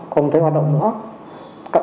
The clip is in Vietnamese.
không thấy hoạt động nữa